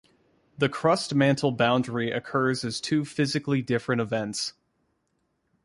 The crust-mantle boundary occurs as two physically different events.